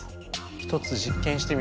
一つ実験してみましょう。